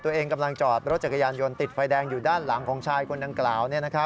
กำลังจอดรถจักรยานยนต์ติดไฟแดงอยู่ด้านหลังของชายคนดังกล่าว